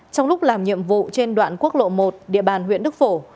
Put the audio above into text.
trong lúc làm nhiệm vụ trên đoạn quốc lộ một địa bàn huyện đức phổ